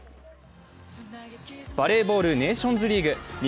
バレーボール、ネーションズリーグ